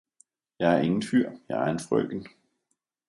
Jeg er ingen fyr, jeg er en frøken!